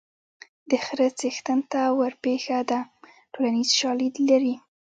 د خره څښتن ته ورپېښه ده ټولنیز شالید لري